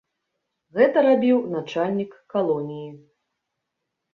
Гэта рабіў начальнік калоніі.